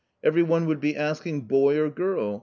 Every one would be asking " boy or girl